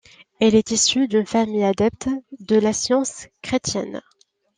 Elle est issue d'une famille adepte de la science chrétienne.